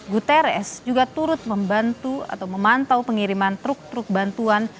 guterres juga turut membantu atau memantau pengiriman truk truk bantuan